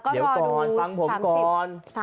เดี๋ยวก่อนฟังผมก่อน